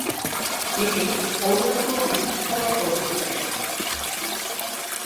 তিনি অরুণাচল বিধানসভার সদস্য ছিলেন।